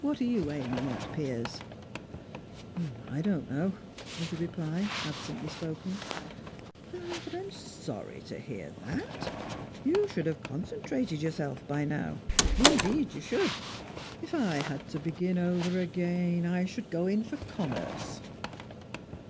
What are you aiming at, Piers?" "I don't know," was the reply, absently spoken. "Ah, but I'm sorry to hear that. You should have concentrated yourself by now, indeed you should. If I had to begin over again, I should go in for commerce."